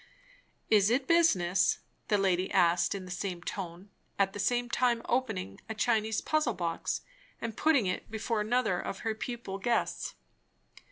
"Is it business?" the lady asked in the same tone, at the same time opening a Chinese puzzle box and putting it before another of her pupil guests.